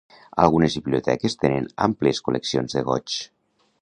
Algunes biblioteques tenen àmplies col·leccions de goigs.